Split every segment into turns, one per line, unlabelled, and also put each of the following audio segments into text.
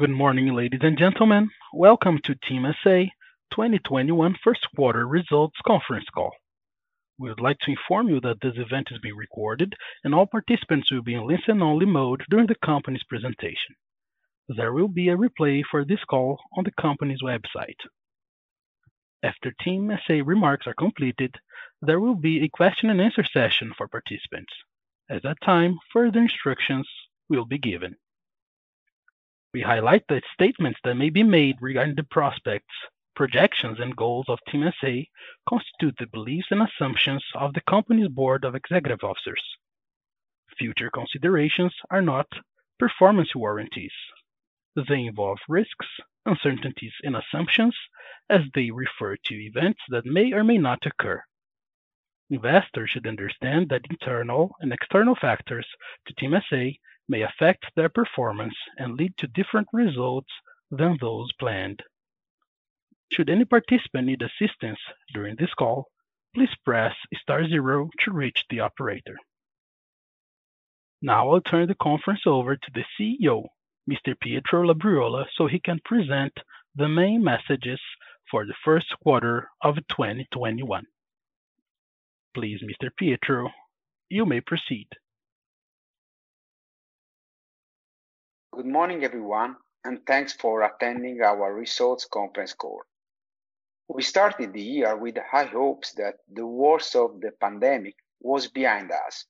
Good morning, ladies and gentlemen. Welcome to TIM SA 2021 Q1 results conference call. We would like to inform you that this event is being recorded, and all participants will be in listen-only mode during the company's presentation. There will be a replay for this call on the company's website. After TIM SA remarks are completed, there will be a question and answer session for participants. At that time, further instructions will be given. We highlight that statements that may be made regarding the prospects, projections, and goals of TIM SA constitute the beliefs and assumptions of the company's board of executive officers. Future considerations are not performance warranties. They involve risks, uncertainties, and assumptions as they refer to events that may or may not occur. Investors should understand that internal and external factors to TIM SA may affect their performance and lead to different results than those planned. Now I'll turn the conference over to the CEO, Mr. Pietro Labriola, so he can present the main messages for the Q1 of 2021. Please, Mr. Pietro, you may proceed.
Good morning, everyone. Thanks for attending our results conference call. We started the year with high hopes that the worst of the pandemic was behind us.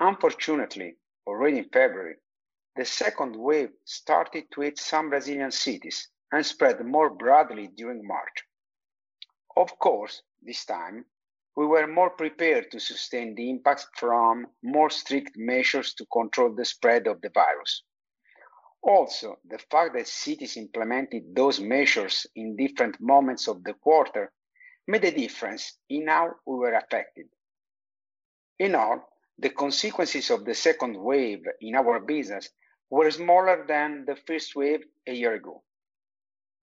Unfortunately, already in February, the second wave started to hit some Brazilian cities and spread more broadly during March. This time, we were more prepared to sustain the impact from more strict measures to control the spread of the virus. The fact that cities implemented those measures in different moments of the quarter made a difference in how we were affected. The consequences of the second wave in our business were smaller than the first wave a year ago.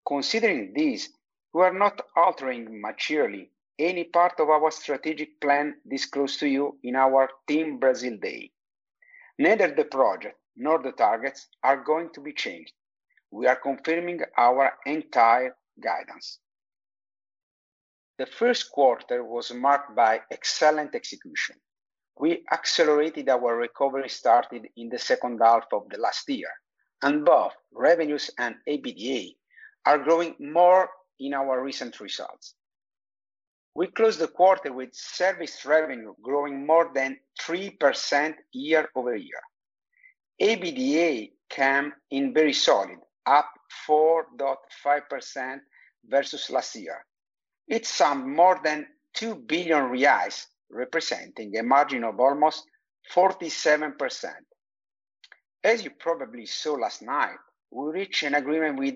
Considering this, we are not altering materially any part of our strategic plan disclosed to you in our TIM Brazil Day. Neither the project nor the targets are going to be changed. We are confirming our entire guidance. The Q1 was marked by excellent execution. We accelerated our recovery started in the second half of the last year, and both revenues and EBITDA are growing more in our recent results. We closed the quarter with service revenue growing more than three percent year-over-year. EBITDA came in very solid, up 4.5% versus last year. It summed more than 2 billion reais, representing a margin of almost 47%. As you probably saw last night, we reached an agreement with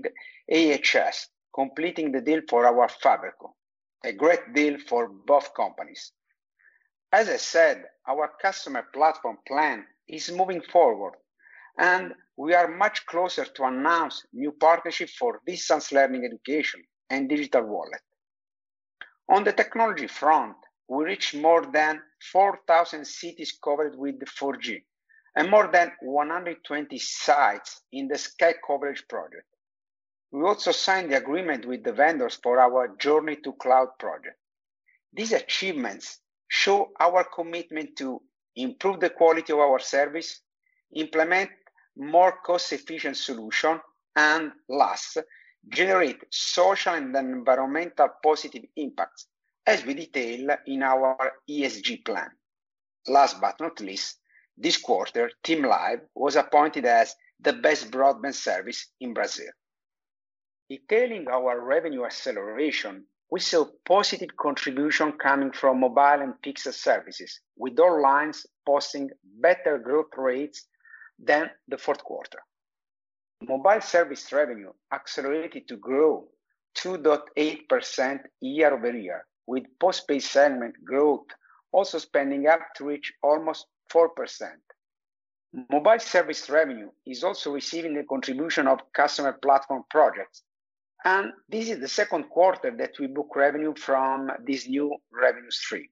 IHS, completing the deal for our FiberCo. A great deal for both companies. As I said, our customer platform plan is moving forward, and we are much closer to announce new partnership for distance learning education and digital wallet. On the technology front, we reached more than 4,000 cities covered with 4G and more than 120 sites in the Sky Coverage project. We also signed the agreement with the vendors for our Journey to Cloud project. These achievements show our commitment to improve the quality of our service, implement more cost-efficient solution, and last, generate social and environmental positive impacts, as we detail in our ESG plan. Last but not least, this quarter, TIM Live was appointed as the best broadband service in Brazil. Detailing our revenue acceleration, we saw positive contribution coming from mobile and fixed services, with all lines posting better growth rates than the Q4. Mobile service revenue accelerated to grow 2.8% year-over-year, with postpaid segment growth also spending up to reach almost four percent. Mobile service revenue is also receiving a contribution of customer platform projects, and this is the Q2 that we book revenue from this new revenue stream.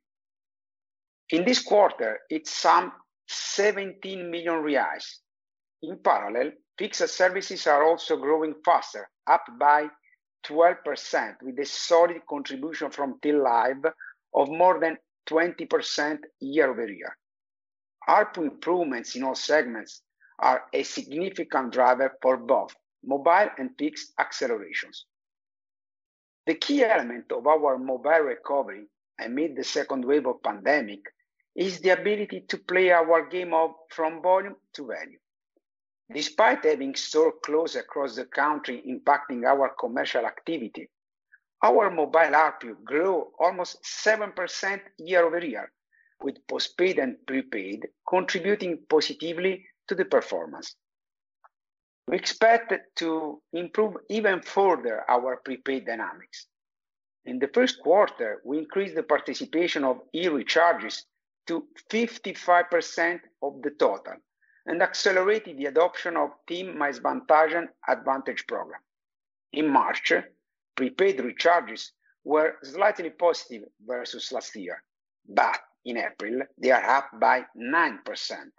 In this quarter, it summed 17 million reais. In parallel, fixed services are also growing faster, up by 12%, with a solid contribution from TIM Live of more than 20% year over year. ARPU improvements in all segments are a significant driver for both mobile and fixed accelerations. The key element of our mobile recovery amid the second wave of pandemic is the ability to play our game of from volume to value. Despite having stores closed across the country impacting our commercial activity, our mobile ARPU grew almost seven percent year over year, with postpaid and prepaid contributing positively to the performance. We expect to improve even further our prepaid dynamics. In the first quarter, we increased the participation of eRecharges to 55% of the total and accelerated the adoption of TIM Mais Vantagens. In March, prepaid recharges were slightly positive versus last year, but in April they are up by nine percent.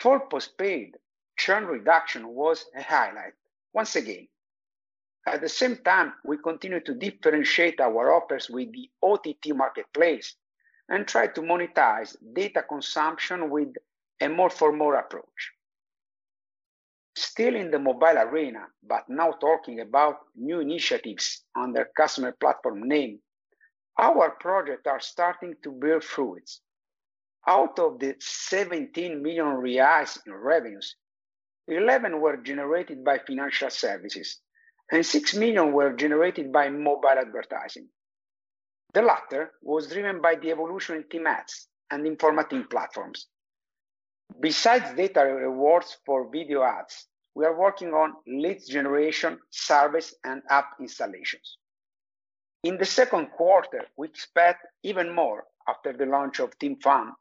For postpaid, churn reduction was a highlight once again. At the same time, we continue to differentiate our offers with the OTT marketplace and try to monetize data consumption with a more for more approach. Still in the mobile arena, but now talking about new initiatives under customer platform name, our projects are starting to bear fruits. Out of the 17 million reais in revenues, 11 million were generated by financial services and 6 million were generated by mobile advertising. The latter was driven by the evolution in TIM Ads and informative platforms. Besides data rewards for video ads, we are working on leads generation, service, and app installations. In the Q2, we expect even more after the launch of TIM Fun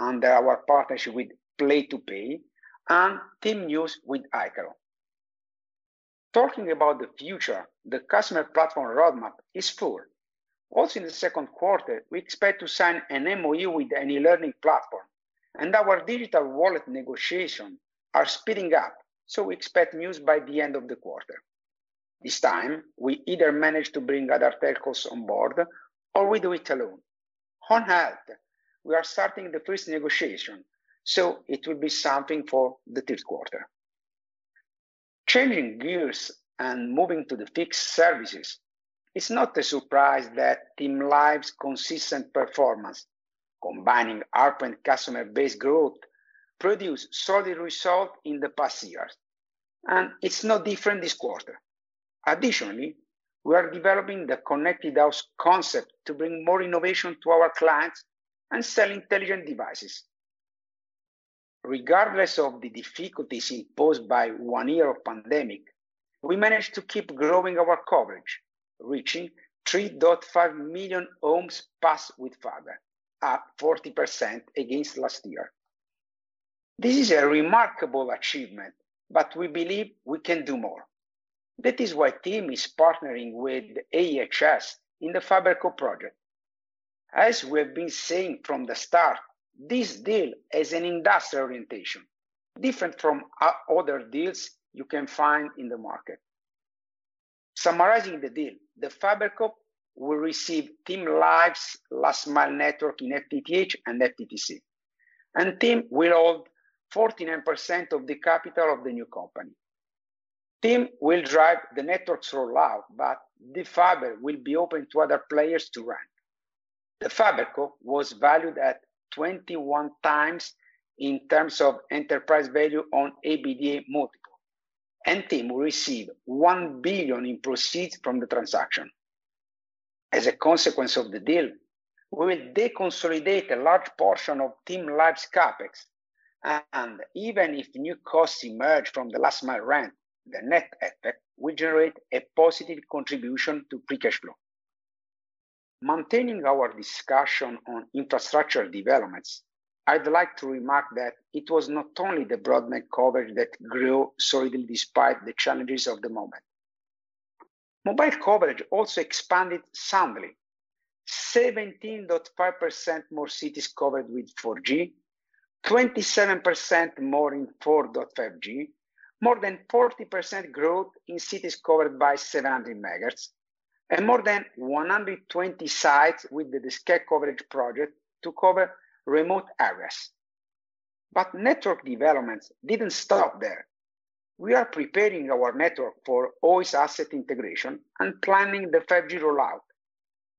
under our partnership with Play2Pay and TIM News with Aiqo. Talking about the future, the customer platform roadmap is full. In the Q2, we expect to sign an MOU with any learning platform and our digital wallet negotiation are speeding up. We expect news by the end of the quarter. This time, we either manage to bring other telcos on board or we do it alone. On health, we are starting the first negotiation, it will be something for the Q3. Changing gears and moving to the fixed services, it's not a surprise that TIM Live's consistent performance, combining ARPU and customer base growth, produced solid results in the past years. It's no different this quarter. Additionally, we are developing the connected house concept to bring more innovation to our clients and sell intelligent devices. Regardless of the difficulties imposed by one year of pandemic, we managed to keep growing our coverage, reaching 3.5 million homes passed with fiber, up 40% against last year. This is a remarkable achievement, but we believe we can do more. That is why TIM is partnering with IHS in the FiberCo project. We have been saying from the start, this deal has an industrial orientation, different from other deals you can find in the market. Summarizing the deal, the FiberCo will receive TIM Live's last-mile network in FTTH and FTTC, and TIM will hold 49% of the capital of the new company. TIM will drive the network rollout, but the fiber will be open to other players to run. The FiberCo was valued at 21x in terms of enterprise value on EBITDA multiple, and TIM received 1 billion in proceeds from the transaction. As a consequence of the deal, we will deconsolidate a large portion of TIM Live's CapEx, and even if new costs emerge from the last mile run, the net effect will generate a positive contribution to free cash flow. Maintaining our discussion on infrastructure developments, I'd like to remark that it was not only the broadband coverage that grew solidly despite the challenges of the moment. Mobile coverage also expanded soundly. 17.5% more cities covered with 4G, 27% more in 4.5G, more than 40% growth in cities covered by 700 MHz, and more than 120 sites with the scattered coverage project to cover remote areas. Network developments didn't stop there. We are preparing our network for Oi's asset integration and planning the 5G rollout.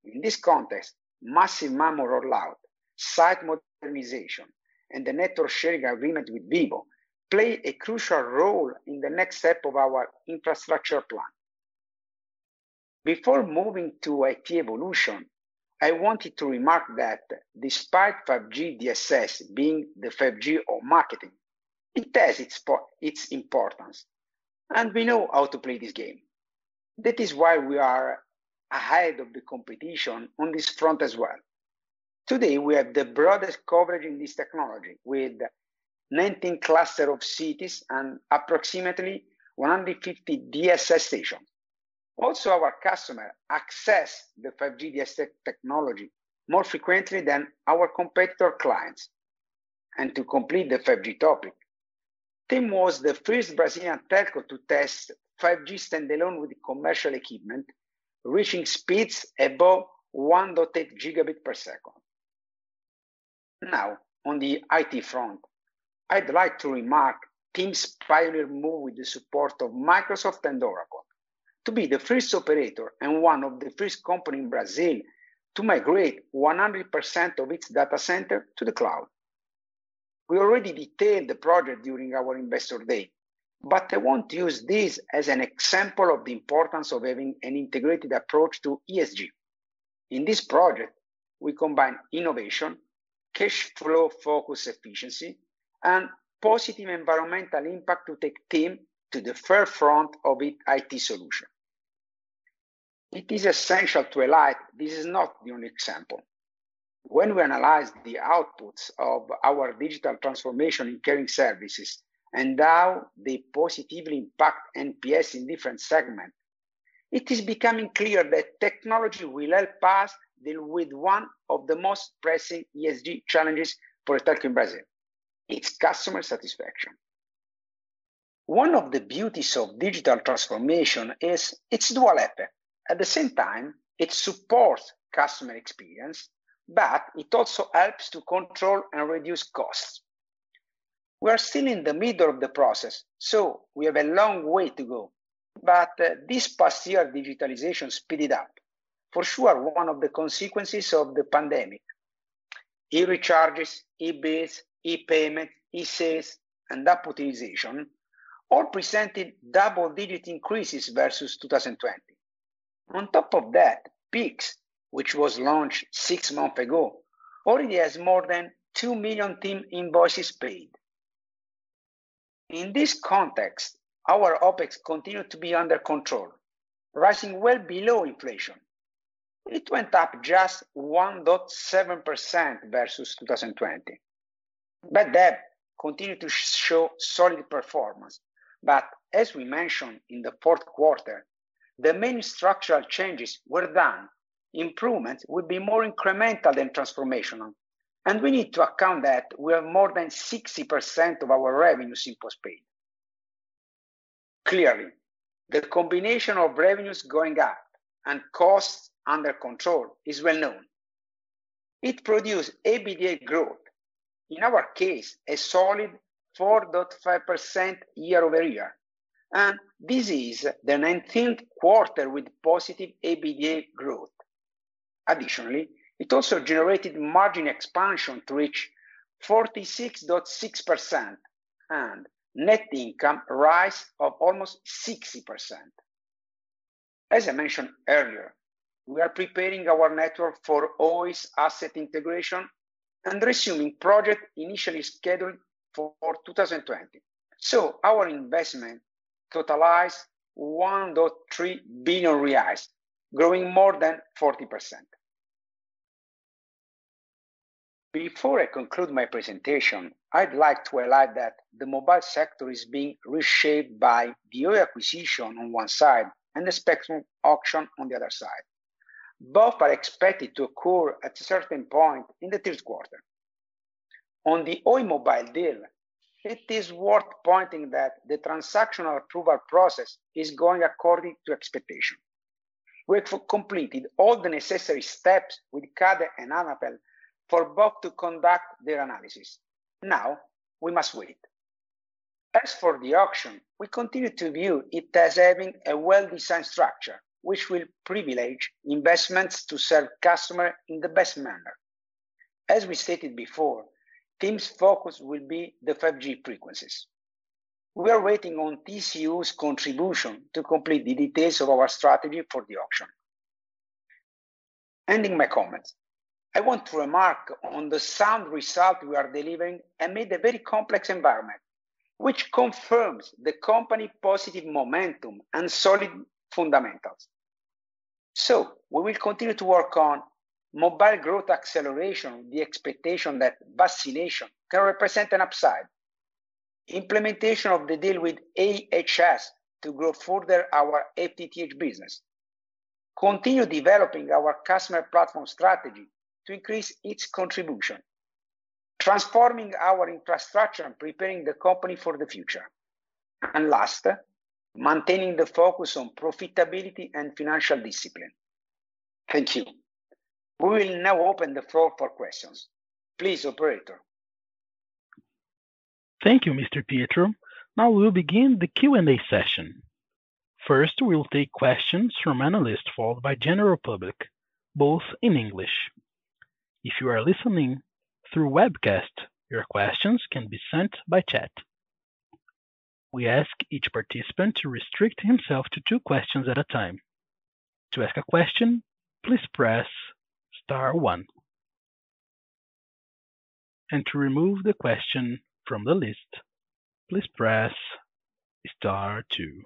In this context, Massive MIMO rollout, site modernization, and the network sharing agreement with Vivo play a crucial role in the next step of our infrastructure plan. Before moving to IT evolution, I wanted to remark that despite 5G DSS being the 5G of marketing, it has its importance, and we know how to play this game. That is why we are ahead of the competition on this front as well. Today, we have the broadest coverage in this technology with 19 cluster of cities and approximately 150 DSS stations. Our customer access the 5G DSS technology more frequently than our competitor clients. To complete the 5G topic, TIM was the first Brazilian telco to test 5G standalone with commercial equipment, reaching speeds above 1.8 gigabit per second. Now, on the IT front, I'd like to remark TIM's pioneer move with the support of Microsoft and Oracle to be the first operator and one of the first company in Brazil to migrate 100% of its data center to the cloud. We already detailed the project during our investor day, but I want to use this as an example of the importance of having an integrated approach to ESG. In this project, we combine innovation, cash flow-focused efficiency, and positive environmental impact to take TIM to the forefront of IT solutions. It is essential to highlight this is not the only example. When we analyzed the outputs of our digital transformation in caring services and how they positively impact NPS in different segments, it is becoming clear that technology will help us deal with one of the most pressing ESG challenges for a telco in Brazil, its customer satisfaction. One of the beauties of digital transformation is its dual effect. At the same time, it supports customer experience, but it also helps to control and reduce costs. We are still in the middle of the process, so we have a long way to go. This past year, digitalization speeded up, for sure one of the consequences of the pandemic. eRecharges, e-bills, e-payment, e-sales, and app optimization all presented double-digit increases versus 2020. On top of that, Pix, which was launched six months ago, already has more than 2 million TIM invoices paid. In this context, our OpEx continued to be under control, rising well below inflation. It went up just 1.7% versus 2020. Bad debt continued to show solid performance. As we mentioned in the fourth quarter, the main structural changes were done. Improvements will be more incremental than transformational. We need to account that we have more than 60% of our revenues in post-paid. Clearly, the combination of revenues going up and costs under control is well-known. It produced EBITDA growth, in our case, a solid 4.5% year-over-year. This is the Q19 with positive EBITDA growth. Additionally, it also generated margin expansion to reach 46.6%, and net income rise of almost 60%. As I mentioned earlier, we are preparing our network for Oi's asset integration and resuming project initially scheduled for 2020. Our investment totalized 1.3 billion reais, growing more than 40%. Before I conclude my presentation, I'd like to highlight that the mobile sector is being reshaped by the Oi acquisition on one side and the spectrum auction on the other side. Both are expected to occur at a certain point in the Q3. On the Oi mobile deal, it is worth pointing that the transactional approval process is going according to expectation. We have completed all the necessary steps with CADE and Anatel for both to conduct their analysis. Now we must wait. As for the auction, we continue to view it as having a well-designed structure, which will privilege investments to serve customers in the best manner. As we stated before, TIM's focus will be the 5G frequencies. We are waiting on TCU's contribution to complete the details of our strategy for the auction. Ending my comments, I want to remark on the sound result we are delivering amid a very complex environment, which confirms the company's positive momentum and solid fundamentals. We will continue to work on mobile growth acceleration with the expectation that vaccination can represent an upside. Implementation of the deal with IHS to grow further our FTTH business. Continue developing our customer platform strategy to increase its contribution. Transforming our infrastructure and preparing the company for the future. Last, maintaining the focus on profitability and financial discipline. Thank you. We will now open the floor for questions. Please, operator.
Thank you, Mr. Pietro. Now we will begin the Q&A session. First, we will take questions from analyst, followed by general public, both in English. If you are listening through webcast, your questions can be sent by chat. We ask each participant to restrict himself to two questions at a time. To ask a question, please press star one. To remove the question from the list, please press star two.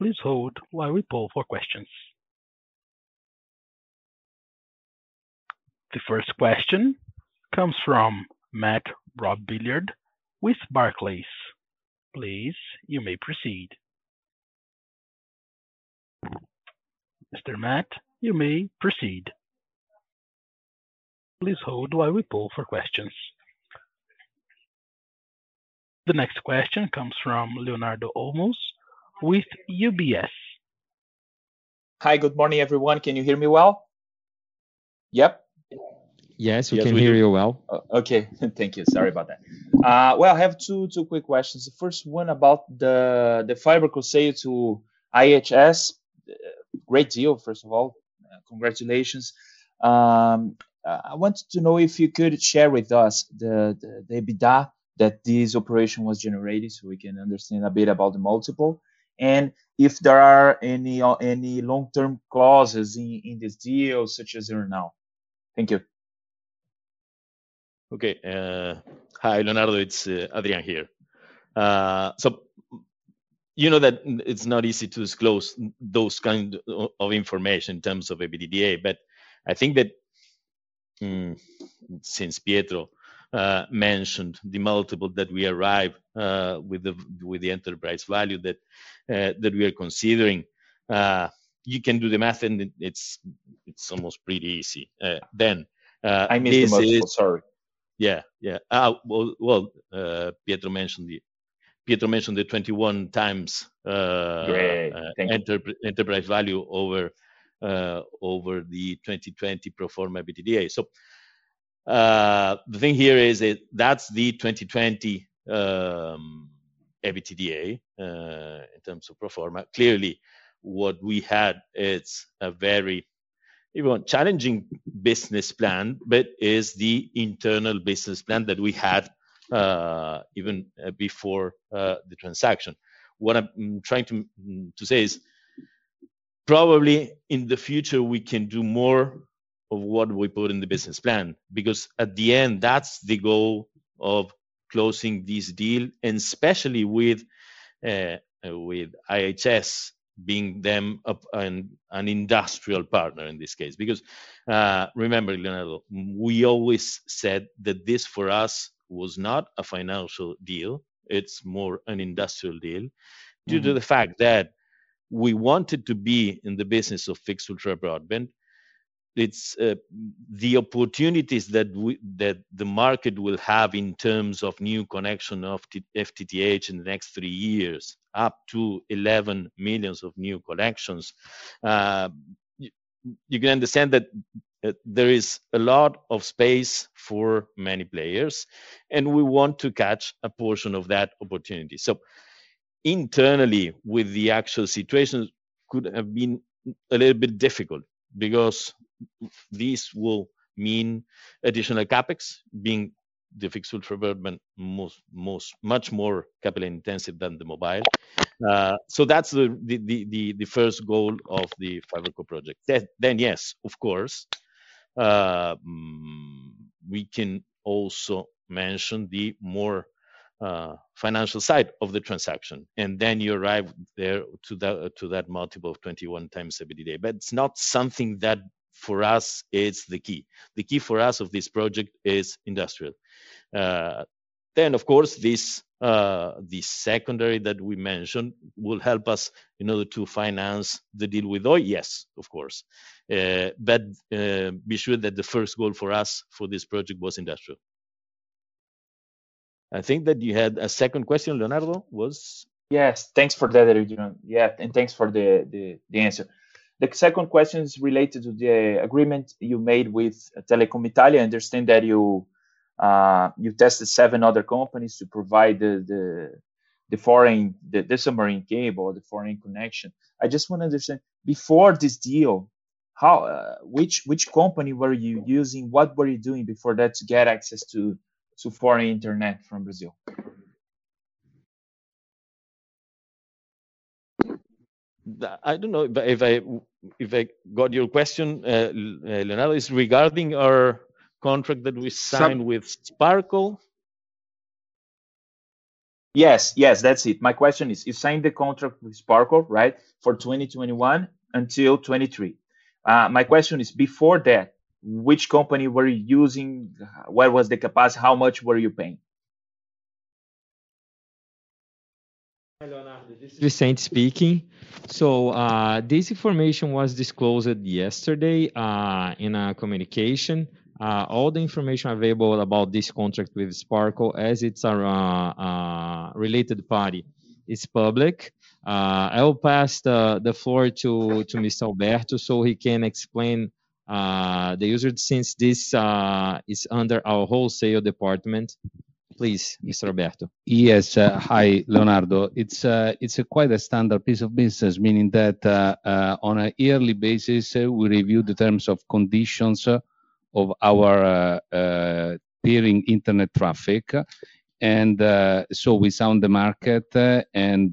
Please hold while we poll for questions. The first question comes from Mathieu Robilliard with Barclays. Please, you may proceed. Mr. Matt, you may proceed. Please hold while we poll for questions. The next question comes from Leonardo Olmos with UBS.
Hi. Good morning, everyone. Can you hear me well? Yep.
Yes, we can hear you well.
Okay. Thank you. Sorry about that. Well, I have two quick questions. The first one about the fiber cross sale to IHS. Great deal, first of all. Congratulations. I wanted to know if you could share with us the EBITDA that this operation was generating so we can understand a bit about the multiple. If there are any long-term clauses in this deal such as earn-out. Thank you.
Okay. Hi, Leonardo. It's Adrian here. You know that it's not easy to disclose those kind of information in terms of EBITDA, but I think that since Pietro mentioned the multiple that we arrive with the enterprise value that we are considering, you can do the math and it's almost pretty easy. This is.
I mean the multiple, sorry.
Yeah. Well, Pietro mentioned the 21x.
Yeah. Thank you
enterprise value over the 2020 pro forma EBITDA. The thing here is that's the 2020 EBITDA, in terms of pro forma. Clearly, what we had, it's a very, if you want, challenging business plan, is the internal business plan that we had even before the transaction. What I'm trying to say is, probably in the future, we can do more of what we put in the business plan, because at the end, that's the goal of closing this deal and especially with IHS being an industrial partner in this case. Remember, Leonardo, we always said that this, for us, was not a financial deal. It's more an industrial deal due to the fact that we wanted to be in the business of fixed ultra broadband. It's the opportunities that the market will have in terms of new connection of FTTH in the next three years, up to 11 million of new connections. You can understand that there is a lot of space for many players, and we want to catch a portion of that opportunity. Internally, with the actual situation, could have been a little bit difficult because this will mean additional CapEx, being the fixed ultra broadband much more capital-intensive than the mobile. That's the first goal of the FiberCo project. Yes, of course, we can also mention the more financial side of the transaction, and then you arrive there to that multiple of 21x EBITDA. It's not something that for us is the key. The key for us of this project is industrial. Of course, this secondary that we mentioned will help us in order to finance the deal with Oi? Yes, of course. Be sure that the first goal for us for this project was industrial. I think that you had a second question, Leonardo, was?
Yes. Thanks for that, Adrian. Yeah. Thanks for the answer. The second question is related to the agreement you made with Telecom Italia. I understand that you tested seven other companies to provide the submarine cable, the foreign connection. I just want to understand, before this deal, which company were you using? What were you doing before that to get access to foreign internet from Brazil?
I don't know if I got your question, Leonardo. Is it regarding our contract that we signed with Sparkle?
Yes. That's it. My question is, you signed the contract with Sparkle, right? For 2021 until 2023. My question is, before that, which company were you using? Where was the capacity? How much were you paying?
Hi, Leonardo. This is Vicente Ferreira speaking. This information was disclosed yesterday in a communication. All the information available about this contract with Sparkle, as it's our related party, is public. I will pass the floor to Mr. Alberto so he can explain the usage since this is under our wholesale department. Please, Mr. Alberto.
Yes. Hi, Leonardo. It's quite a standard piece of business, meaning that on a yearly basis, we review the terms of conditions of our peering internet traffic. We sound the market and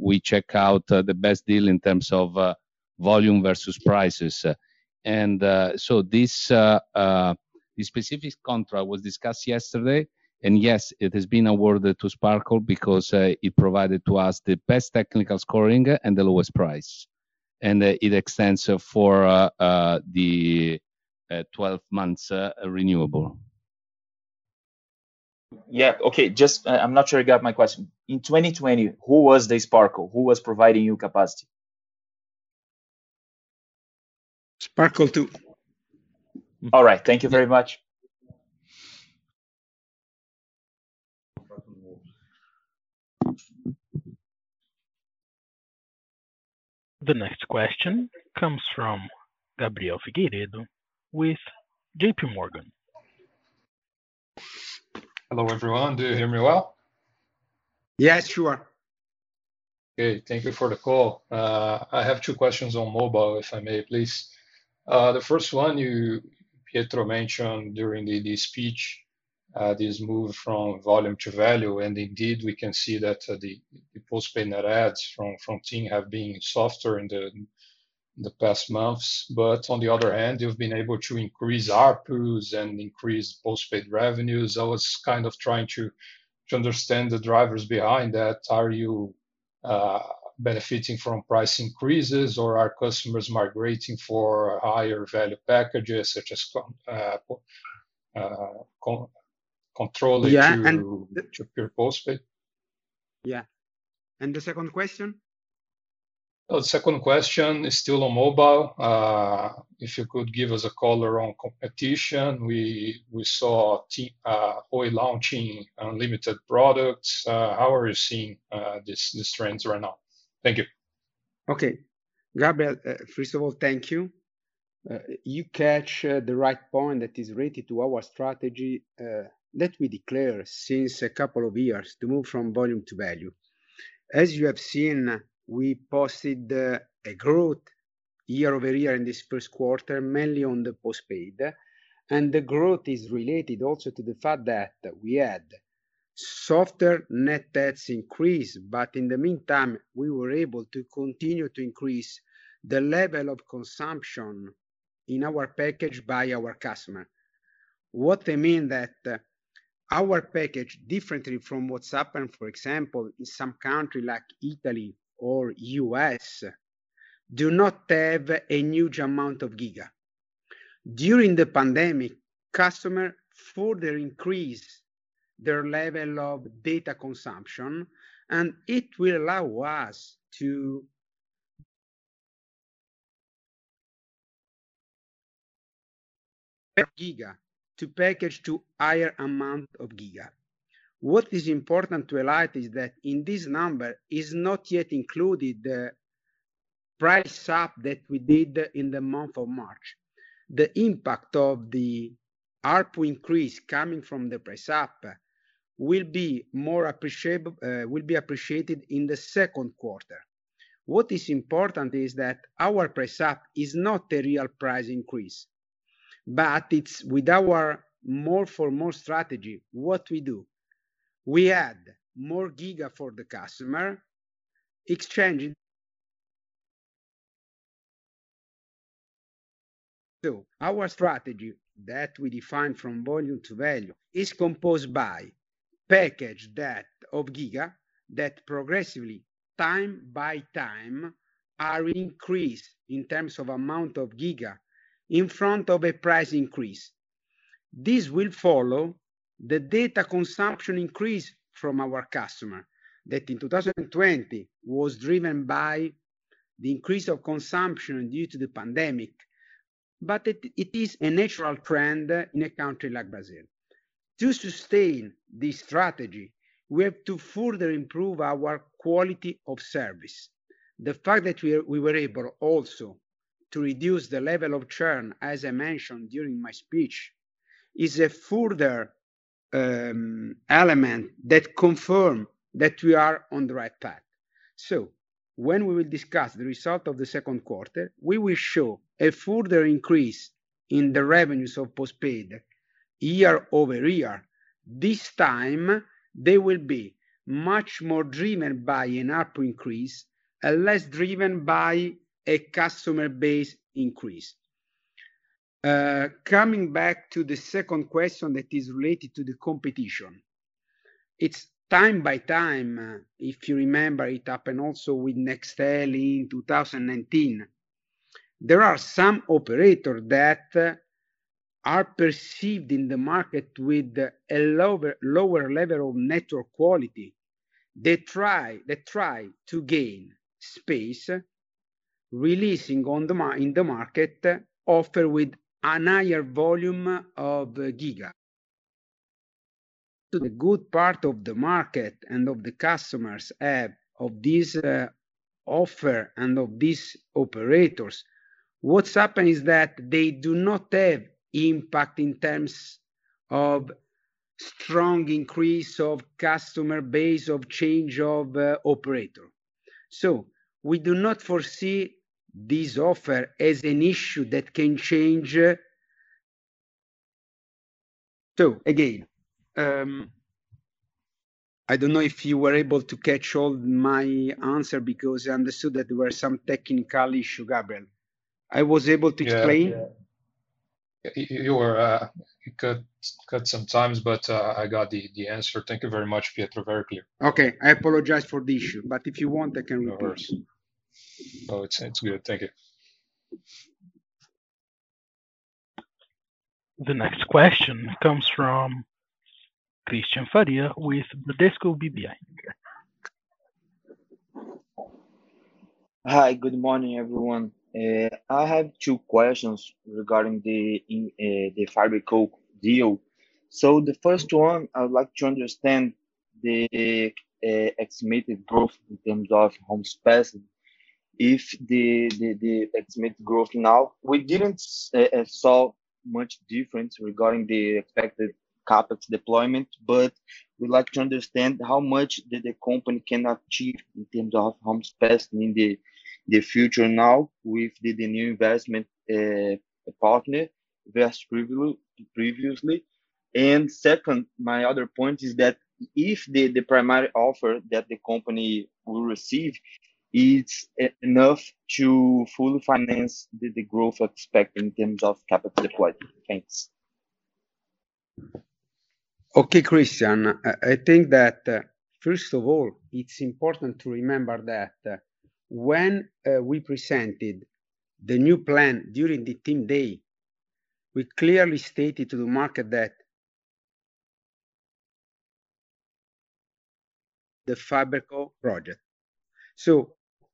we check out the best deal in terms of volume versus prices. This specific contract was discussed yesterday, and yes, it has been awarded to Sparkle because it provided to us the best technical scoring and the lowest price, and it extends for the 12 months renewable.
Yeah. Okay. Just I'm not sure I got my question. In 2020, who was the Sparkle? Who was providing you capacity?
Sparkle, too.
All right. Thank you very much.
The next question comes from Edinardo Figueiredo with J.P. Morgan.
Hello, everyone. Do you hear me well?
Yes, sure.
Okay. Thank you for the call. I have two questions on mobile, if I may, please. The first one, Pietro mentioned during the speech this move from volume to value, and indeed, we can see that the postpaid net adds from TIM have been softer in the past months. On the other hand, you've been able to increase ARPUs and increase postpaid revenues. I was trying to understand the drivers behind that. Are you benefiting from price increases, or are customers migrating for higher value packages, such as controlling to
Yeah, and the-
To pure postpaid?
Yeah. The second question?
The second question is still on mobile. If you could give us a call around competition. We saw Oi launching unlimited products. How are you seeing these trends right now? Thank you.
Okay. Edinardo Figueiredo, first of all, thank you. You catch the right point that is related to our strategy that we declare since a couple of years to move from volume to value. As you have seen, we posted a growth year-over-year in this Q1, mainly on the postpaid. The growth is related also to the fact that we had softer net adds increase, but in the meantime, we were able to continue to increase the level of consumption in our package by our customer. What I mean that our package, differently from what's happened, for example, in some country like Italy or the U.S., do not have a huge amount of giga. During the pandemic, customer further increased their level of data consumption, it will allow us to per giga to package to higher amount of giga. What is important to highlight is that in this number is not yet included the price up that we did in the month of March. The impact of the ARPU increase coming from the price up will be appreciated in the Q2. What is important is that our price up is not a real price increase, but it's with our more for more strategy. What we do, we add more giga for the customer, exchanging. Our strategy that we define from volume to value is composed by package of giga that progressively, time by time, are increased in terms of amount of giga in front of a price increase. This will follow the data consumption increase from our customer that in 2020 was driven by the increase of consumption due to the pandemic, but it is a natural trend in a country like Brazil. To sustain this strategy, we have to further improve our quality of service. The fact that we were able also to reduce the level of churn, as I mentioned during my speech, is a further element that confirms that we are on the right path. When we will discuss the result of the Q2, we will show a further increase in the revenues of postpaid year-over-year. This time, they will be much more driven by an ARPU increase and less driven by a customer base increase. Coming back to the second question that is related to the competition. It's time by time, if you remember, it happened also with Nextel in 2019. There are some operators that are perceived in the market with a lower level of network quality. They try to gain space, releasing in the market offer with a higher volume of giga. To the good part of the market and of the customers have of this offer and of these operators, what's happened is that they do not have impact in terms of strong increase of customer base, of change of operator. We do not foresee this offer as an issue that can change. Again, I don't know if you were able to catch all my answer because I understood that there were some technical issue, Edinardo. I was able to explain?
Yeah. You cut sometimes, but I got the answer. Thank you very much, Pietro. Very clear.
Okay. I apologize for the issue, but if you want, I can repeat.
No worries. No, it's good. Thank you.
The next question comes from Frederico Faria with Bradesco BBI.
Hi, good morning, everyone. I have two questions regarding the FiberCo deal. The first one, I would like to understand the estimated growth in terms of homes passed. If the estimated growth now, we didn't see much difference regarding the expected CapEx deployment, but we'd like to understand how much the company can achieve in terms of homes passed in the future now with the new investment partner versus previously. Second, my other point is that if the primary offer that the company will receive is enough to fully finance the growth expected in terms of capital deployed. Thanks.
Okay, Frederico. I think that, first of all, it's important to remember that when we presented the new plan during the TIM Day, we clearly stated to the market that the FiberCo project.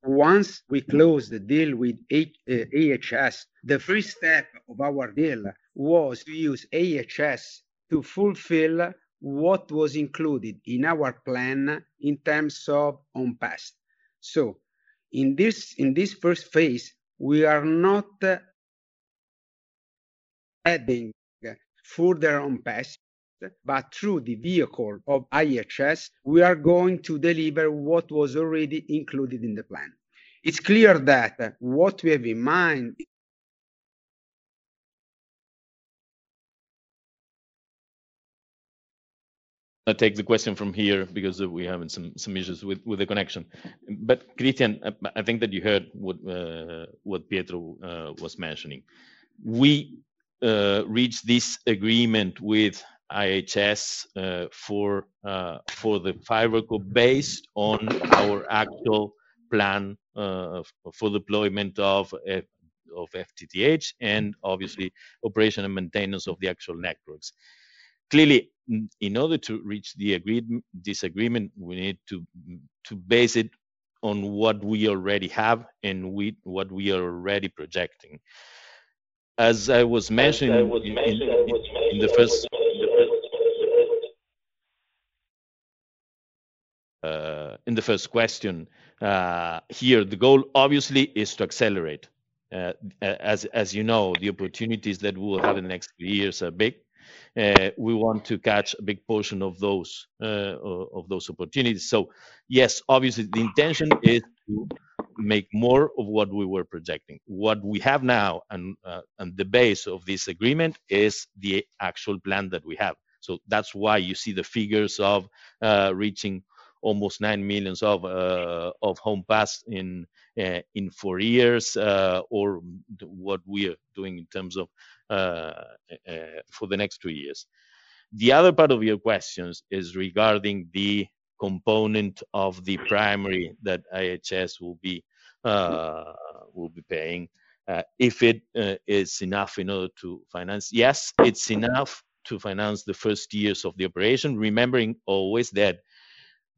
Once we closed the deal with IHS, the first step of our deal was to use IHS to fulfill what was included in our plan in terms of on pass. In this first phase, we are not adding further on pass, but through the vehicle of IHS, we are going to deliver what was already included in the plan.
I'll take the question from here because we're having some issues with the connection. Frederico, I think that you heard what Pietro was mentioning. We reached this agreement with IHS for the FiberCo based on our actual plan for deployment of FTTH and obviously operation and maintenance of the actual networks. Clearly, in order to reach this agreement, we need to base it on what we already have and what we are already projecting. As I was mentioning in the first question here, the goal obviously is to accelerate. As you know, the opportunities that we will have in the next few years are big. We want to catch a big portion of those opportunities. Yes, obviously, the intention is to make more of what we were projecting. What we have now and the base of this agreement is the actual plan that we have. That's why you see the figures of reaching almost nine millions of home passed in four years or what we are doing in terms of for the next two years. The other part of your questions is regarding the component of the primary that IHS will be paying if it is enough in order to finance. Yes, it's enough to finance the first years of the operation, remembering always that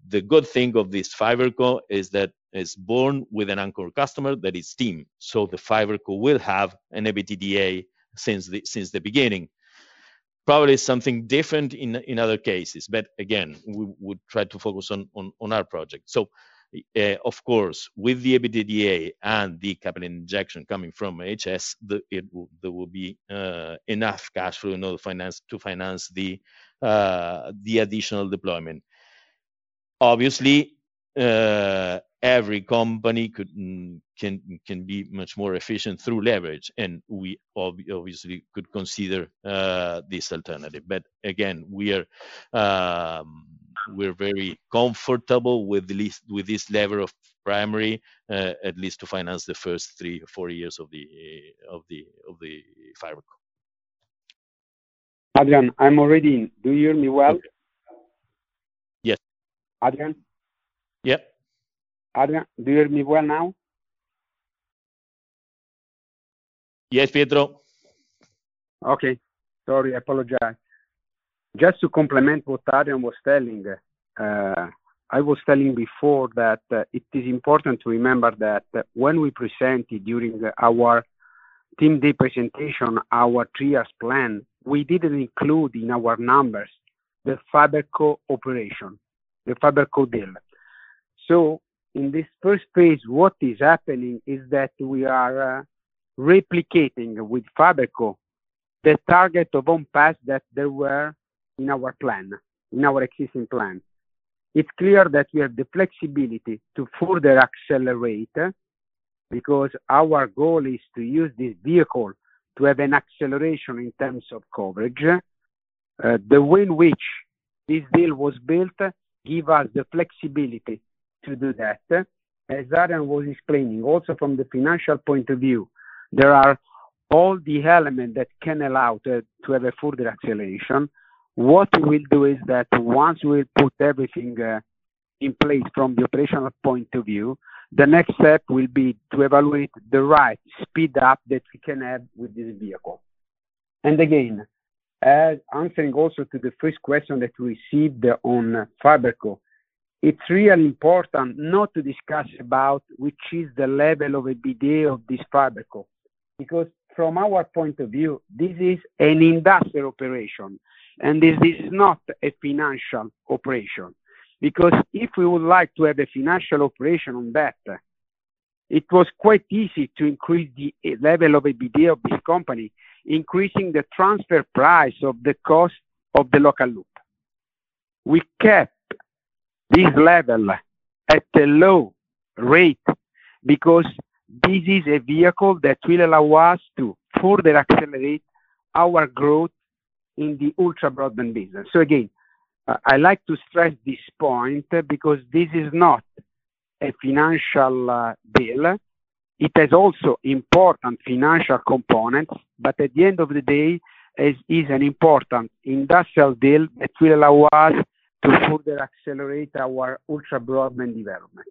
the good thing of this FiberCo is that it's born with an anchor customer that is TIM. The FiberCo will have an EBITDA since the beginning. Probably something different in other cases. Again, we would try to focus on our project. Of course, with the EBITDA and the capital injection coming from IHS, there will be enough cash flow in order to finance the additional deployment. Obviously, every company can be much more efficient through leverage. We obviously could consider this alternative. Again, we're very comfortable with this level of primary at least to finance the first three or four years of the FiberCo.
Adrian, I'm already in. Do you hear me well?
Yes.
Adrian?
Yeah.
Adrian, do you hear me well now?
Yes, Pietro.
Okay. Sorry, I apologize. Just to complement what Adrian was telling. I was telling before that it is important to remember that when we presented during our TIM Day presentation, our three years plan, we didn't include in our numbers the FiberCo operation, the FiberCo deal. In this first phase, what is happening is that we are replicating with FiberCo the target of home passed that there were in our plan, in our existing plan. It's clear that we have the flexibility to further accelerate because our goal is to use this vehicle to have an acceleration in terms of coverage. The way in which this deal was built give us the flexibility to do that. As Adrian was explaining, also from the financial point of view, there are all the elements that can allow to have a further acceleration. What we'll do is that once we put everything in place from the operational point of view, the next step will be to evaluate the right speed up that we can have with this vehicle. Again, answering also to the first question that we received on FiberCo, it's really important not to discuss about which is the level of EBITDA of this FiberCo, because from our point of view, this is an industrial operation, and this is not a financial operation. If we would like to have a financial operation on that. It was quite easy to increase the level of EBITDA of this company, increasing the transfer price of the cost of the local loop. We kept this level at a low rate because this is a vehicle that will allow us to further accelerate our growth in the ultra-broadband business. Again, I like to stress this point because this is not a financial deal. It has also important financial components, but at the end of the day, it is an important industrial deal that will allow us to further accelerate our ultra-broadband development.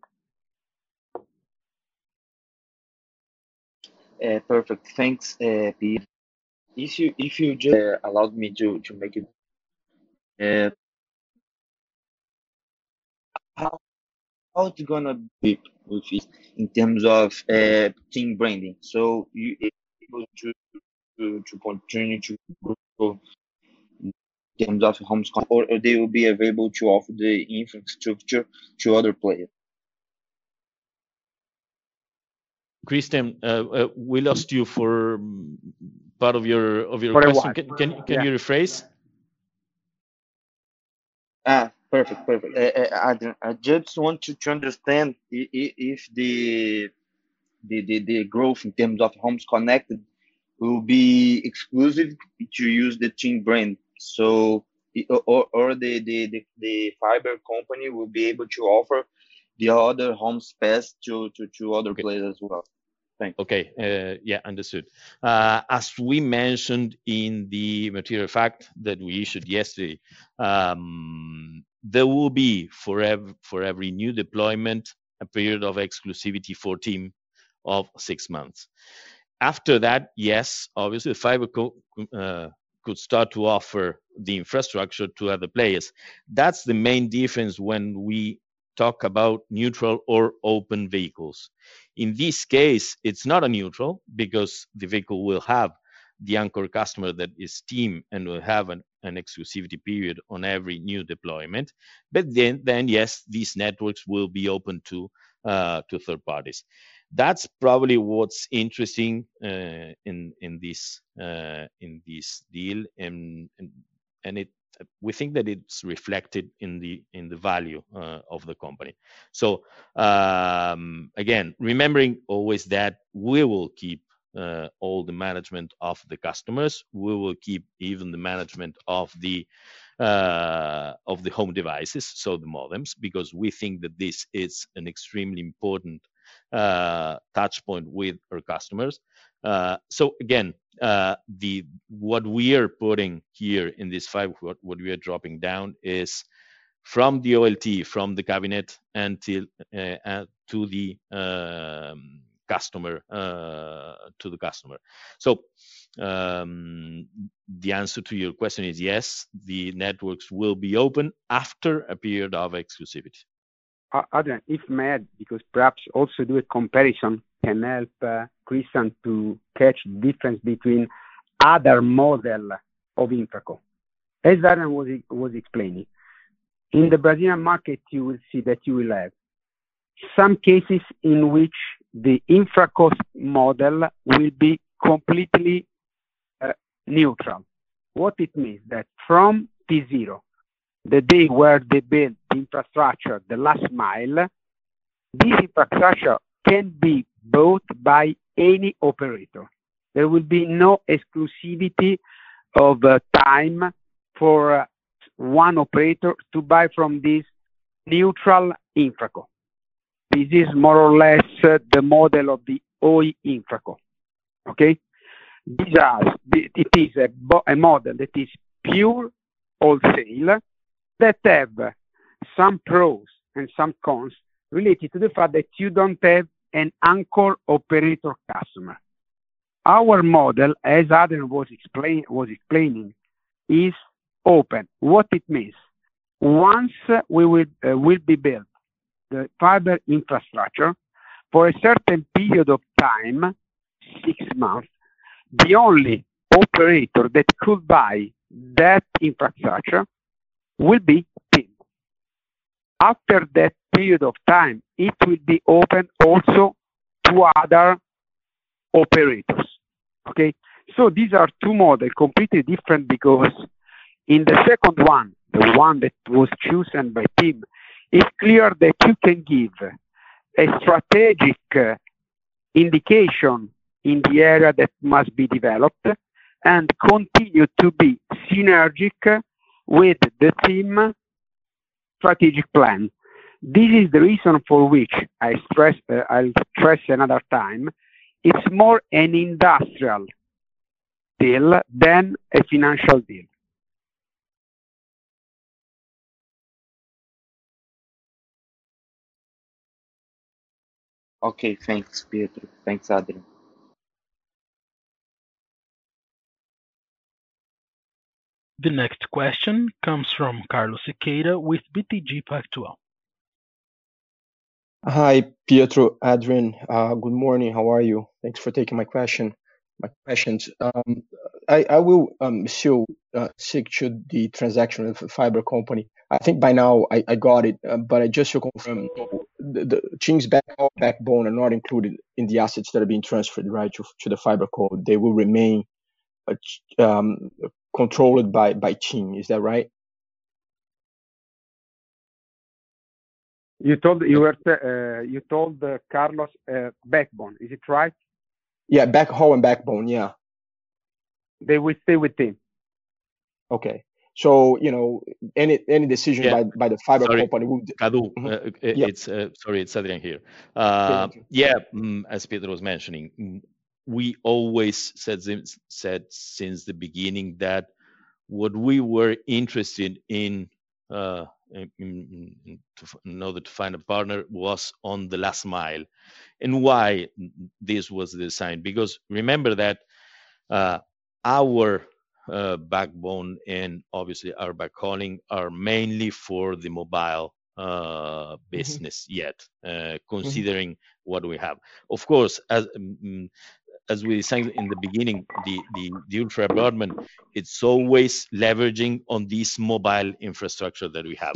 Perfect. Thanks, Pietro Labriola. If you just allowed me to make it, how it's going to be with it in terms of TIM branding? You are able to continue to grow in terms of homes, or they will be available to offer the infrastructure to other players?
Frederico, we lost you for part of your question.
Part one.
Can you rephrase?
Perfect. I just wanted to understand if the growth in terms of homes connected will be exclusive to use the TIM brand, or the FiberCo will be able to offer the other homes passed to other players as well? Thanks.
Okay. Yeah, understood. As we mentioned in the material fact that we issued yesterday, there will be for every new deployment, a period of exclusivity for TIM of six months. After that, yes, obviously, FiberCo could start to offer the infrastructure to other players. That's the main difference when we talk about neutral or open vehicles. In this case, it's not neutral because the vehicle will have the anchor customer that is TIM and will have an exclusivity period on every new deployment. Yes, these networks will be open to third parties. That's probably what's interesting in this deal, and we think that it's reflected in the value of the company. Again, remembering always that we will keep all the management of the customers, we will keep even the management of the home devices, so the modems, because we think that this is an extremely important touchpoint with our customers. Again, what we are putting here in this fiber, what we are dropping down is from the OLT, from the cabinet to the customer. The answer to your question is yes, the networks will be open after a period of exclusivity.
Adrian, if may, because perhaps also do a comparison can help Frederico Faria to catch difference between other model of Infraco. As Adrian was explaining, in the Brazilian market, you will see that you will have some cases in which the Infraco model will be completely neutral. What it means that from P0, the day where they built the infrastructure, the last mile, this infrastructure can be bought by any operator. There will be no exclusivity of time for one operator to buy from this neutral Infraco. This is more or less the model of the Oi Infraco. Okay? It is a model that is pure wholesale that have some pros and some cons related to the fact that you don't have an anchor operator customer. Our model, as Adrian was explaining, is open. What it means? Once we will be built the fiber infrastructure, for a certain period of time, six months, the only operator that could buy that infrastructure will be TIM. After that period of time, it will be open also to other operators. Okay? These are two model, completely different because in the second one, the one that was chosen by TIM, it's clear that you can give a strategic indication in the area that must be developed and continue to be synergic with the TIM strategic plan. This is the reason for which I'll stress another time, it's more an industrial deal than a financial deal.
Okay. Thanks, Pietro. Thanks, Adrian.
The next question comes from Carlos Sequeira with BTG Pactual.
Hi, Pietro, Adrian. Good morning. How are you? Thanks for taking my questions. I will still stick to the transaction with FiberCo. I think by now I got it, but just to confirm, TIM's backbone are not included in the assets that are being transferred right to the FiberCo. They will remain controlled by TIM. Is that right?
You told Carlos backbone. Is it right?
Yeah. Backhaul and backbone. Yeah.
They will stay with TIM.
Okay. Any decision by the fiber company.
Sorry, Cadu.
Yeah.
Sorry, it's Adrian here.
Sorry.
Yeah. As Pietro was mentioning, we always said since the beginning that what we were interested in to find a partner was on the last mile. Why this was designed, because remember that our backbone and obviously our backhauling are mainly for the mobile business yet considering what we have. Of course, as we said in the beginning, the ultra broadband, it's always leveraging on this mobile infrastructure that we have.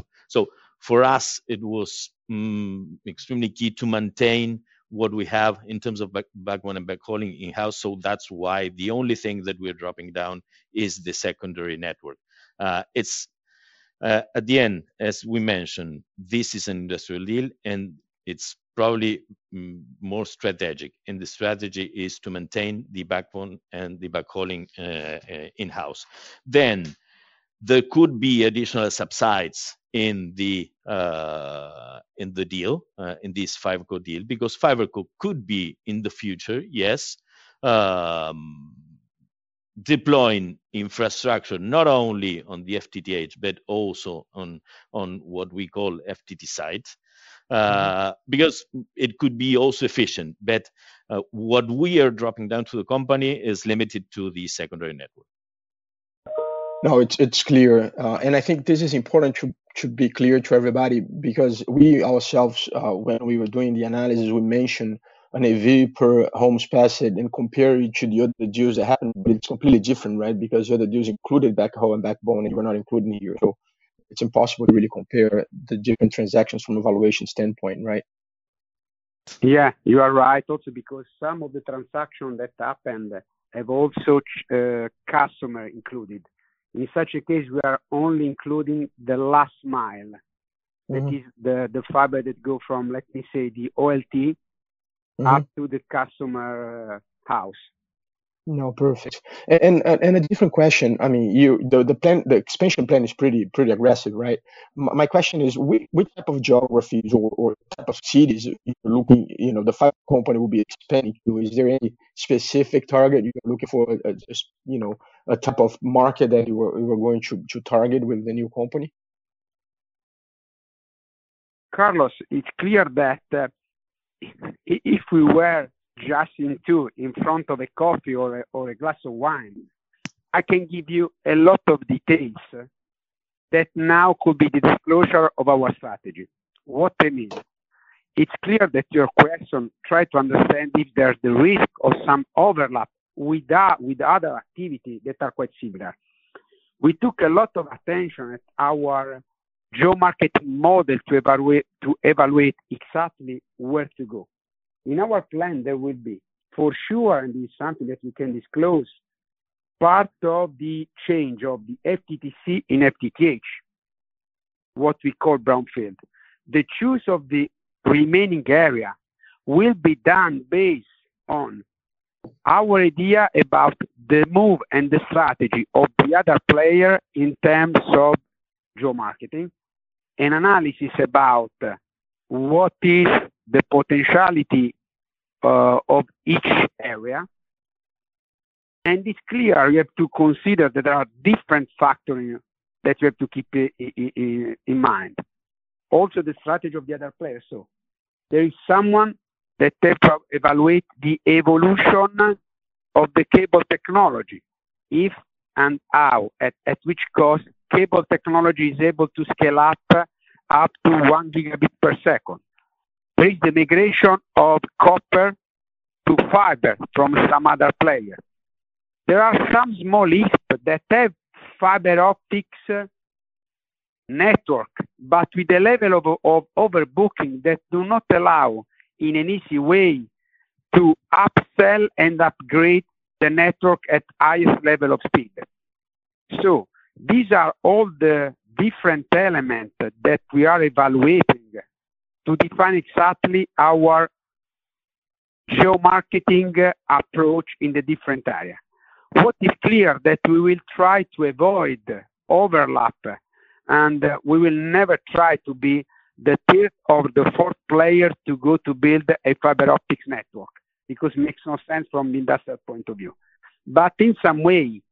For us, it was extremely key to maintain what we have in terms of backbone and backhauling in-house. That's why the only thing that we're dropping down is the secondary network. At the end, as we mentioned, this is an industrial deal, and it's probably more strategic, and the strategy is to maintain the backbone and the backhauling in-house. There could be additional subsidies in the deal, in this FiberCo deal because FiberCo could be in the future, yes, deploying infrastructure not only on the FTTH, but also on what we call FTT sites because it could be also efficient. What we are dropping down to the company is limited to the secondary network.
No, it's clear. I think this is important to be clear to everybody because we ourselves, when we were doing the analysis, we mentioned an EV per homes passed and compared it to the other deals that happened, but it's completely different, right? The other deals included backhaul and backbone, and you are not included in here. It's impossible to really compare the different transactions from the valuation standpoint, right?
Yeah, you are right also because some of the transaction that happened have also customer included. In such a case, we are only including the last mile. That is the fiber that go from, let me say, the OLT- up to the customer house.
No, perfect. A different question. The expansion plan is pretty aggressive, right? My question is, which type of geographies or type of cities are you looking, the FiberCo will be expanding to? Is there any specific target you're looking for, a type of market that you are going to target with the new company?
Carlos, it's clear that if we were just in two in front of a coffee or a glass of wine, I can give you a lot of details that now could be the disclosure of our strategy. What I mean, it's clear that your question try to understand if there's the risk of some overlap with other activity that are quite similar. We took a lot of attention at our geo-marketing model to evaluate exactly where to go. In our plan, there will be, for sure, and it's something that we can disclose, part of the change of the FTTC in FTTH, what we call brownfield. The choice of the remaining area will be done based on our idea about the move and the strategy of the other player in terms of geo-marketing and analysis about what is the potentiality of each area. It's clear you have to consider that there are different factors that you have to keep in mind, also the strategy of the other players. There is someone that evaluate the evolution of the cable technology, if and how, at which cost cable technology is able to scale up to one gigabit per second, take the migration of copper to fiber from some other player. There are some small ISPs that have fiber optics network, but with a level of overbooking that do not allow in an easy way to upsell and upgrade the network at highest level of speed. These are all the different elements that we are evaluating to define exactly our geo-marketing approach in the different area. What is clear that we will try to avoid overlap, and we will never try to be the third or the fourth player to go to build a fiber optics network because it makes no sense from the industrial point of view. In some way,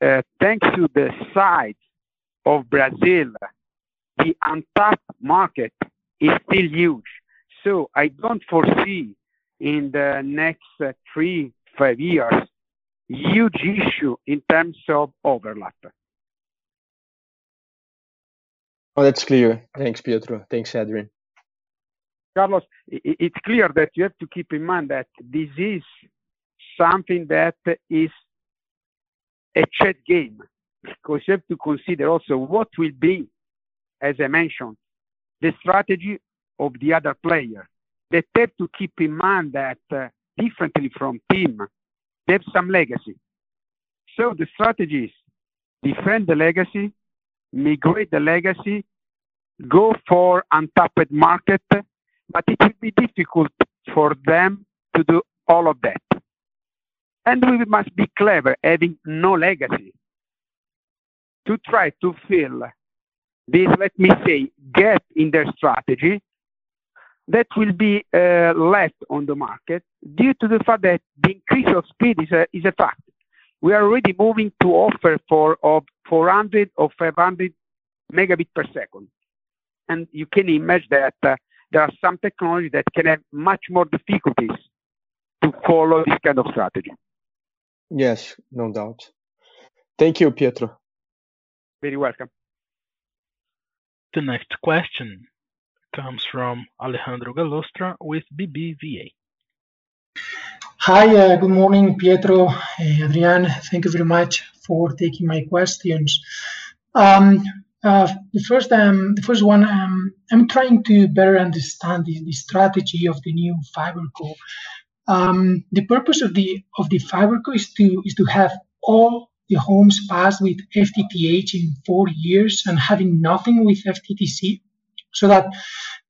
thanks to the size of Brazil, the untapped market is still huge. I don't foresee in the next three, five years, huge issue in terms of overlap.
Oh, that's clear. Thanks, Pietro. Thanks, Adrien.
Carlos, it's clear that you have to keep in mind that this is something that is a chess game because you have to consider also what will be, as I mentioned, the strategy of the other player. They have to keep in mind that differently from TIM, they have some legacy. The strategy is defend the legacy, migrate the legacy, go for untapped market, but it will be difficult for them to do all of that. We must be clever, having no legacy, to try to fill this, let me say, gap in their strategy that will be left on the market due to the fact that the increase of speed is a fact. We are already moving to offer of 400 or 500 megabits per second. You can imagine that there are some technologies that can have much more difficulties to follow this kind of strategy.
Yes, no doubt. Thank you, Pietro.
Very welcome.
The next question comes from Alejandro Gallostra with BBVA.
Hi. Good morning, Pietro, Adrian. Thank you very much for taking my questions. First one, I'm trying to better understand the strategy of the new FiberCo. Purpose of the FiberCo is to have all the homes passed with FTTH in four years and having nothing with FTTC. That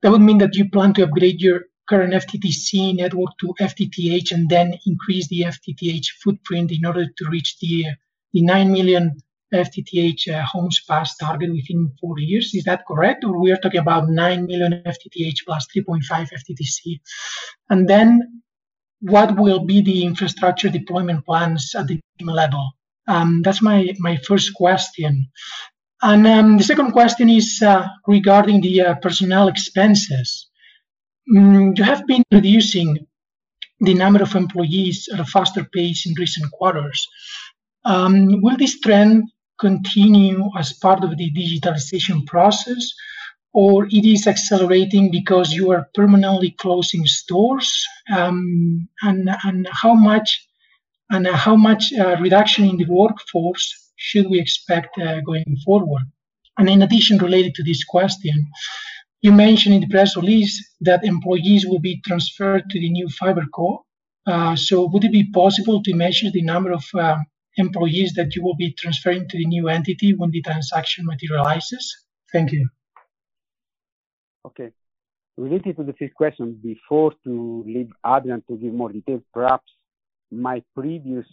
would mean that you plan to upgrade your current FTTC network to FTTH and then increase the FTTH footprint in order to reach the 9 million FTTH homes passed target within four years. Is that correct? We are talking about 9 million FTTH plus 3.5 FTTC? What will be the infrastructure deployment plans at the TIM level? That's my first question. Second question is regarding the personnel expenses. You have been reducing the number of employees at a faster pace in recent quarters. Will this trend continue as part of the digitalization process, or it is accelerating because you are permanently closing stores? How much reduction in the workforce should we expect going forward? In addition, related to this question, you mentioned in the press release that employees will be transferred to the new FiberCo. Would it be possible to mention the number of employees that you will be transferring to the new entity when the transaction materializes? Thank you.
Okay. Related to the first question, before to leave Adrian Calaza to give more details, perhaps my previous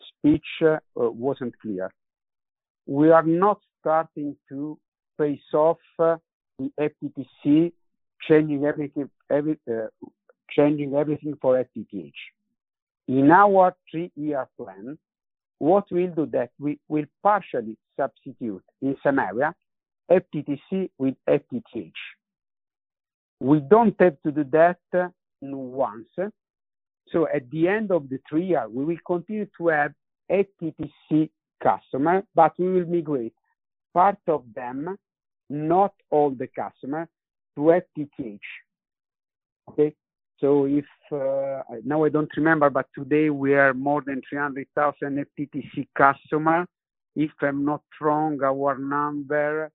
speech wasn't clear. We are not starting to phase off the FTTC, changing everything for FTTH. In our three-year plan, what we'll do that we'll partially substitute in some area FTTC with FTTH. We don't have to do that at once. At the end of the three years, we will continue to have FTTC customer, but we will migrate part of them, not all the customer, to FTTH. Okay. Now I don't remember, but today we are more than 300,000 FTTC customer. If I'm not wrong, our number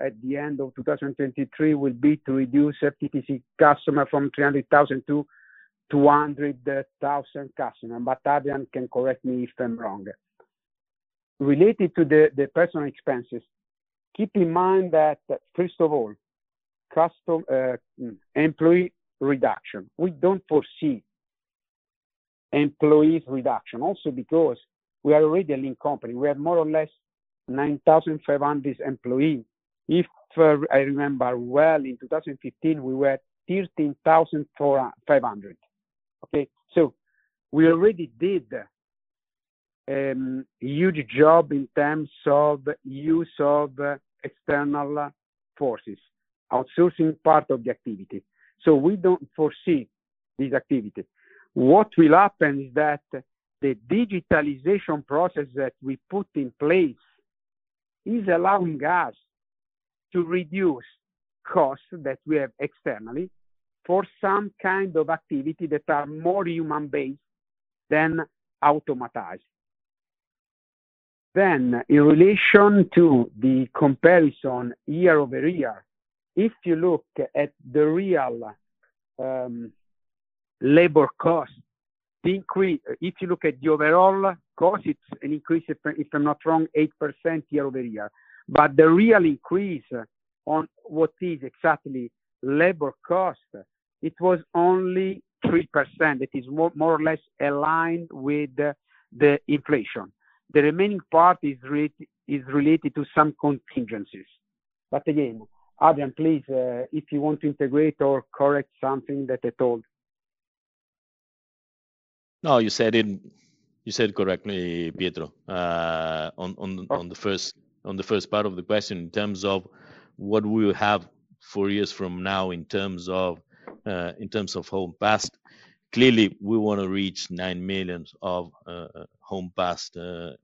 at the end of 2023 will be to reduce FTTC customer from 300,000 - 200,000 customer. Adrian Calaza can correct me if I'm wrong. Related to the personal expenses, keep in mind that first of all, employee reduction. We don't foresee employees reduction, also because we are already a lean company. We have more or less 9,500 employees. If I remember well, in 2015, we were 13,500. Okay. We already did a huge job in terms of use of external forces, outsourcing part of the activity. We don't foresee this activity. What will happen is that the digitalization process that we put in place is allowing us to reduce costs that we have externally for some kind of activity that are more human-based than automatized. In relation to the comparison year-over-year, if you look at the real labor cost, if you look at the overall cost, it's an increase, if I'm not wrong, eight percent year-over-year. The real increase on what is exactly labor cost, it was only three percent. It is more or less aligned with the inflation. The remaining part is related to some contingencies. Again, Adrian, please, if you want to integrate or correct something that I told.
No, you said it correctly, Pietro. On the first part of the question, in terms of what we will have four years from now in terms of home passed, clearly, we want to reach nine million of home passed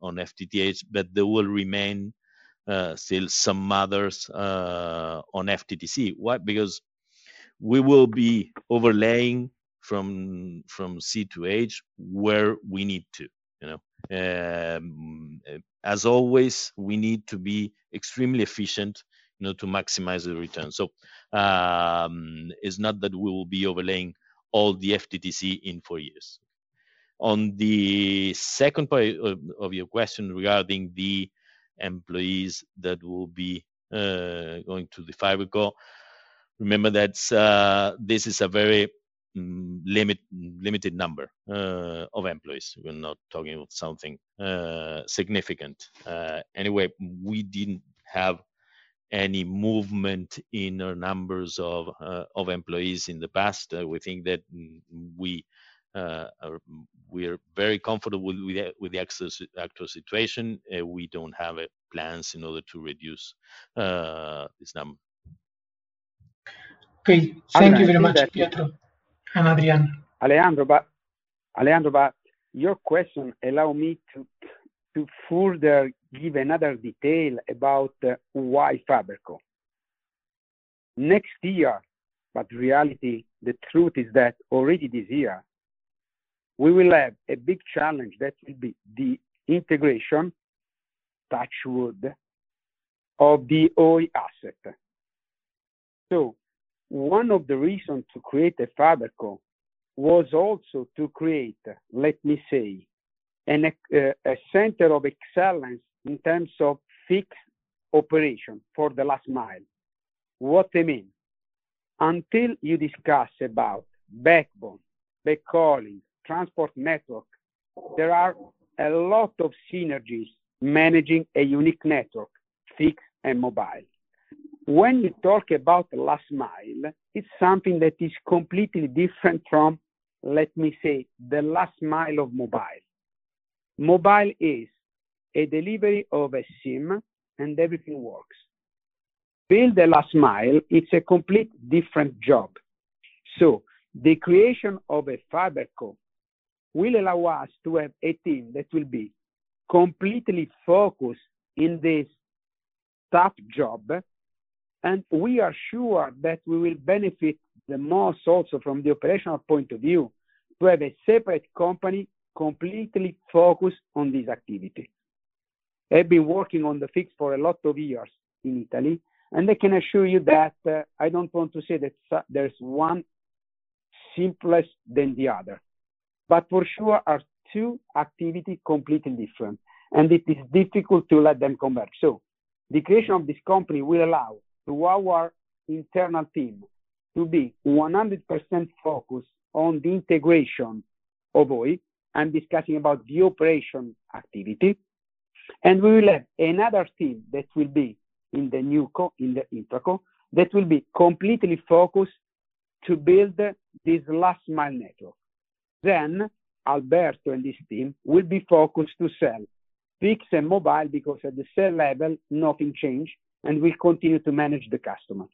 on FTTH, but there will remain still some others on FTTC. Why? Because We will be overlaying from C to H where we need to. As always, we need to be extremely efficient to maximize the return. It's not that we will be overlaying all the FTTC in four years. On the second part of your question regarding the employees that will be going to the FiberCo, remember that this is a very limited number of employees. We're not talking about something significant. We didn't have any movement in our numbers of employees in the past. We think that we are very comfortable with the actual situation. We don't have plans in order to reduce this number.
Okay. Thank you very much, Pietro and Adrian.
Alejandro, your question allow me to further give another detail about why FiberCo. Next year, reality, the truth is that already this year, we will have a big challenge that will be the integration, touch wood, of Oi's asset. One of the reasons to create a FiberCo was also to create, let me say, a center of excellence in terms of fixed operation for the last mile. What I mean? Until you discuss about backbone, backhauling, transport network, there are a lot of synergies managing a unique network, fixed and mobile. When you talk about last mile, it's something that is completely different from, let me say, the last mile of mobile. Mobile is a delivery of a SIM and everything works. Build the last mile, it's a complete different job. The creation of a FiberCo will allow us to have a team that will be completely focused in this tough job, and we are sure that we will benefit the most also from the operational point of view to have a separate company completely focused on this activity. They've been working on the fixed for a lot of years in Italy, and I can assure you that I don't want to say that there's one simplest than the other. For sure are two activity completely different, and it is difficult to let them come back. The creation of this company will allow to our internal team to be 100% focused on the integration of Oi. I'm discussing about the operation activity. We will have another team that will be in the Infraco that will be completely focused to build this last mile network. Alberto and his team will be focused to sell fixed and mobile because at the sell level, nothing change, and we continue to manage the customer.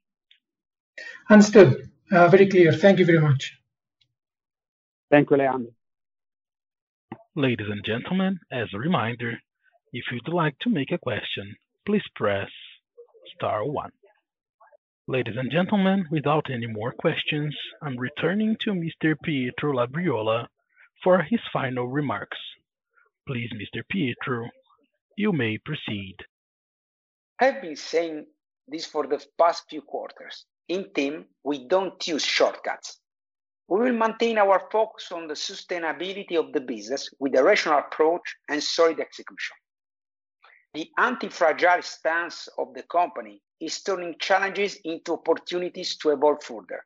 Understood. Very clear. Thank you very much.
Thank you, Alejandro.
Ladies and gentlemen, without any more questions, I'm returning to Mr. Pietro Labriola for his final remarks. Please, Mr. Pietro, you may proceed.
I've been saying this for the past few quarters. In TIM, we don't use shortcuts. We will maintain our focus on the sustainability of the business with a rational approach and solid execution. The anti-fragile stance of the company is turning challenges into opportunities to evolve further.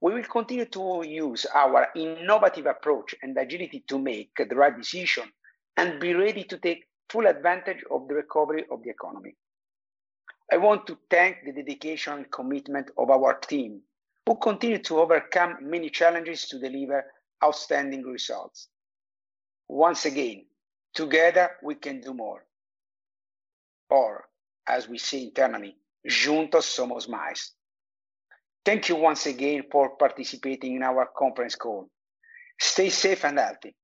We will continue to use our innovative approach and agility to make the right decision and be ready to take full advantage of the recovery of the economy. I want to thank the dedication and commitment of our team, who continue to overcome many challenges to deliver outstanding results. Once again, together we can do more, or as we say in Italian, Thank you once again for participating in our conference call. Stay safe and healthy.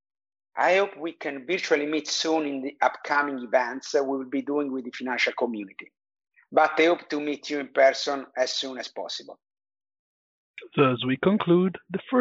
I hope we can virtually meet soon in the upcoming events that we'll be doing with the financial community, but I hope to meet you in person as soon as possible.
Thus we conclude the first.